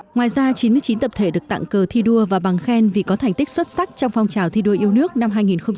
ngoài ra chín mươi chín tập thể được tặng cờ thi đua và bằng khen vì có thành tích xuất sắc trong phong trào thi đua yêu nước năm hai nghìn một mươi tám